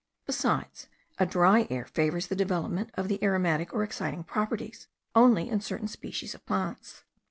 Besides, a dry air favours the development of the aromatic or exciting properties, only in certain species of plants.